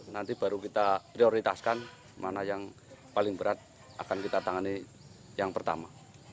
nanti baru kita prioritaskan mana yang paling berat akan kita tangani yang pertama